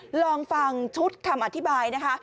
ลองฟังชุดคำอธิบายนะคะ